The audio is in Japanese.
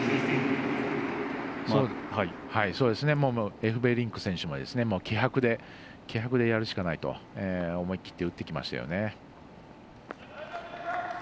エフベリンク選手も気迫でやるしかないと思い切って打ってきましたよね。